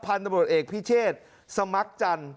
พันธุ์ตำรวจเอกพิเศษสมัครจันทร์